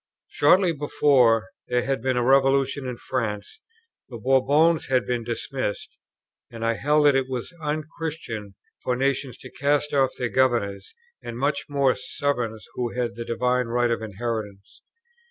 Shortly before, there had been a Revolution in France; the Bourbons had been dismissed: and I held that it was unchristian for nations to cast off their governors, and, much more, sovereigns who had the divine right of inheritance.